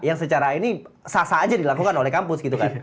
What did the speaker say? yang secara ini sah sah aja dilakukan oleh kampus gitu kan